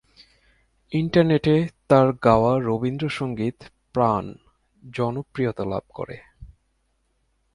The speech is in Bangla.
ইন্টারনেটে তার গাওয়া রবীন্দ্রসঙ্গীত 'প্রাণ' জনপ্রিয়তা লাভ করে।